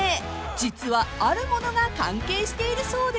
［実はあるものが関係しているそうで］